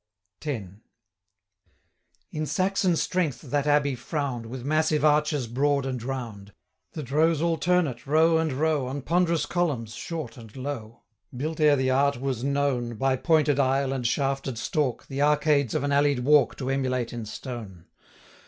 X. In Saxon strength that Abbey frown'd, With massive arches broad and round, That rose alternate, row and row, 170 On ponderous columns, short and low, Built ere the art was known, By pointed aisle, and shafted stalk, The arcades of an alley'd walk To emulate in stone.